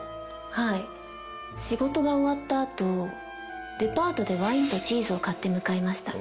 はい仕事が終わったあとデパートでワインとチーズを買って向かいました